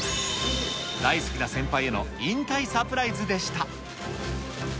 大好きな先輩への引退サプライズでした。